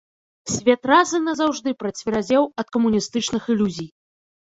Свет раз і назаўжды працверазеў ад камуністычных ілюзій.